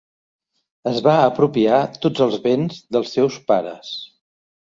Es va apropiar tots els béns dels seus pares.